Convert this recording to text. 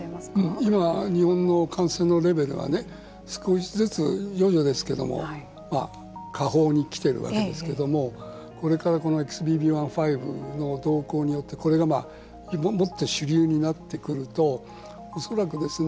今、日本の感染のレベルはね少しずつ徐々ですけども下方に来ているわけですけれどもこれからこのＸＢＢ．１．５の動向によってこれがもっと主流になってくると恐らくですね